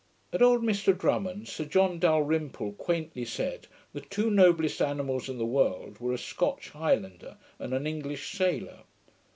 At old Mr Drummond's, Sir John Dalrymple quaintly said, the two noblest animals in the world were, a Scotch highlander and an English sailor.